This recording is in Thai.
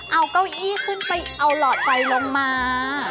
เอาเก้าอี้ขึ้นไปเอาหลอดไฟลงมา